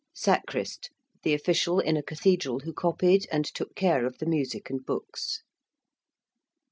~Sacrist~: the official in a cathedral who copied and took care of the music and books.